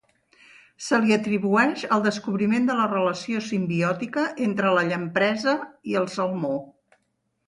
Se li atribueix el descobriment de la relació simbiòtica entre la llampresa i el salmó.